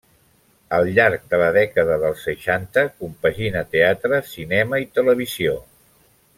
Al llarg de la dècada dels seixanta, compagina teatre, cinema i televisió.